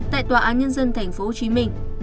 tại tòa án nhân dân tp hcm